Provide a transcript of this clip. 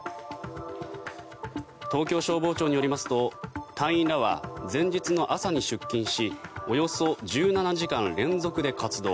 東京消防庁によりますと隊員らは前日の朝に出勤しおよそ１７時間連続で活動。